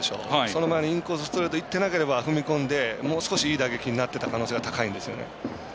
その前のインコースストレートいってなければ踏み込んでもう少しいい打撃になっていた可能性高いですね。